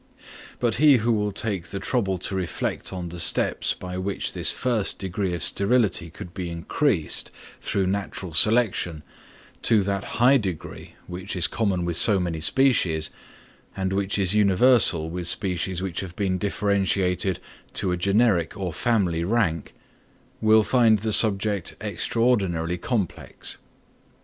But he who will take the trouble to reflect on the steps by which this first degree of sterility could be increased through natural selection to that high degree which is common with so many species, and which is universal with species which have been differentiated to a generic or family rank, will find the subject extraordinarily complex.